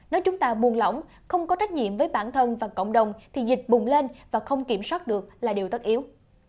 nếu chúng ta buồn lỏng không có trách nhiệm với bản thân và cộng đồng thì dịch bùng lên và không kiểm soát được là điều tất yếu